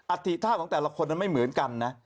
อธิท่าของแต่ละคนนั้นไม่เหมือนกันนะ